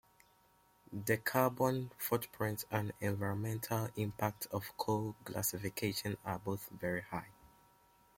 The carbon footprint and environmental impact of coal gasification are both very high.